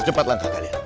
secepat langkah kalian